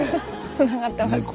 つながってました。